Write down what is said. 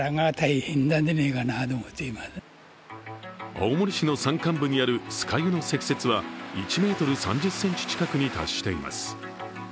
青森市の山間部にある酸ヶ湯の積雪は１ｍ３０ｃｍ近くに達しています。